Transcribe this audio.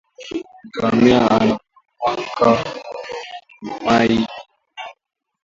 Ngamia anakunywaka mayi mingi